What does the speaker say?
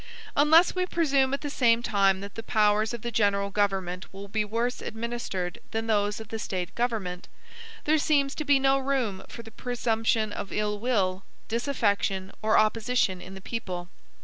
Unless we presume at the same time that the powers of the general government will be worse administered than those of the State government, there seems to be no room for the presumption of ill will, disaffection, or opposition in the people.